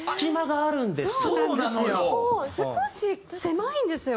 少し狭いんですよ。